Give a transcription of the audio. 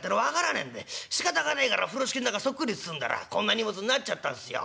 しかたがねえから風呂敷ん中そっくり包んだらこんな荷物になっちゃったんすよ」。